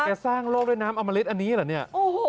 สร้างโลกด้วยน้ำอมริตอันนี้เหรอเนี่ย